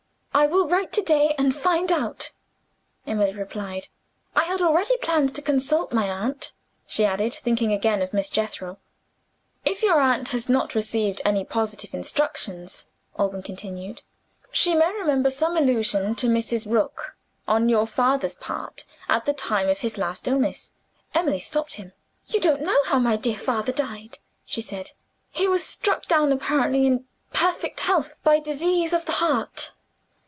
"I will write to day, and find out," Emily replied. "I had already planned to consult my aunt," she added, thinking again of Miss Jethro. "If your aunt has not received any positive instructions," Alban continued, "she may remember some allusion to Mrs. Rook, on your father's part, at the time of his last illness " Emily stopped him. "You don't know how my dear father died," she said. "He was struck down apparently in perfect health by disease of the heart."